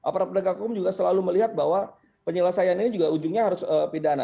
para penegak hukum juga selalu melihat bahwa penyelesaian ini juga ujungnya harus pidana